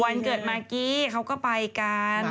วันเกิดมากกี้เขาก็ไปกัน